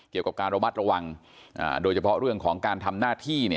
เกี่ยวกับการระมัดระวังโดยเฉพาะเรื่องของการทำหน้าที่